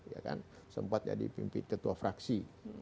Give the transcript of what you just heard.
ya kan sempat jadi pimpin ketua fraksi